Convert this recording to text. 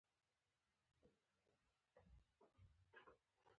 د میاشتنۍ ناروغۍ د سر درد لپاره باید څه شی وڅښم؟